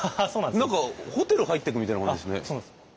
何かホテル入ってくみたいな感じですね。